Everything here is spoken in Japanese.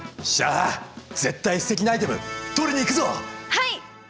はい！